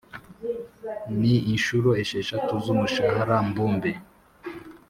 n inshuro esheshatu z umushahara mbumbe